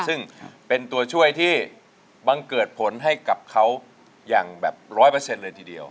ซึ่งเป็นตัวช่วยที่บังเกิดผลให้กับเขาอย่างแบบ๑๐๐เลยทีเดียว